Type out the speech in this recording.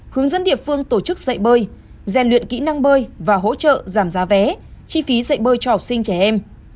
hướng dẫn địa phương tổ chức dạy bơi rèn luyện kỹ năng bơi và hỗ trợ giảm giá vé chi phí dạy bơi cho học sinh trẻ em